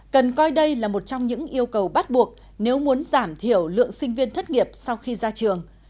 cần coi đây là một trong những yêu cầu bắt buộc nếu muốn giảm thiểu lượng sinh viên thất nghiệp sau khi ra trường